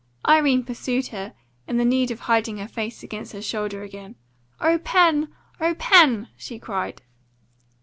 Irene pursued her, in the need of hiding her face against her shoulder again. "O Pen! O Pen!" she cried.